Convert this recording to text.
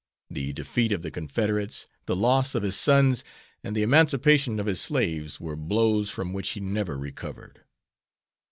The defeat of the Confederates, the loss of his sons, and the emancipation of his slaves, were blows from which he never recovered.